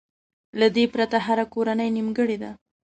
له دې پرته هره کورنۍ نيمګړې ده.